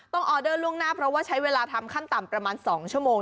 ออเดอร์ล่วงหน้าเพราะว่าใช้เวลาทำขั้นต่ำประมาณ๒ชั่วโมง